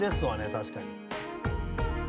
確かに。